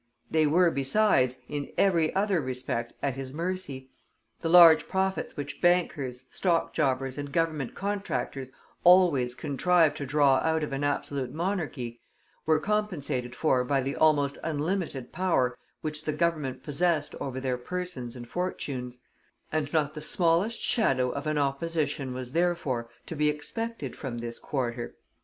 They were, besides, in every other respect at his mercy; the large profits which bankers, stock jobbers, and Government contractors always contrive to draw out of an absolute monarchy, were compensated for by the almost unlimited power which the Government possessed over their persons and fortunes; and not the smallest shadow of an opposition was, therefore, to be expected from this quarter.